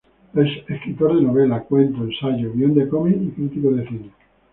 Es escritor de novela, cuento, ensayo, guión de cómics y crítico de cine.